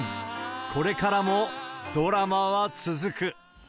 これからもドラマは続く。